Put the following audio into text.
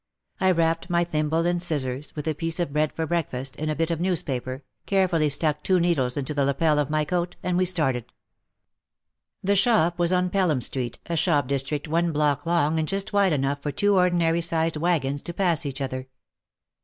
I wrapped my thimble and scissors, with a piece of bread for breakfast, in a bit of newspaper, carefully stuck two needles into the lapel of my coat and we started. The shop was on Pelem Street, a shop district one block long and just wide enough for two ordinary sized wagons to pass each other.